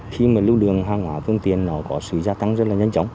khi mà lưu đường hàng hóa phương tiện nó có sự gia tăng rất là nhanh chóng